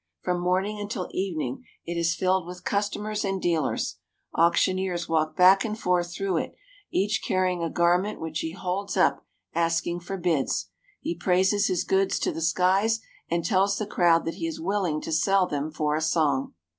From morning until evening it is filled with custom ers and dealers; auctioneers walk back and forth through it, each carrying a garment which he holds up, asking for bids. He praises his goods to the skies and tells the crowd that he is willing to sell them for a song.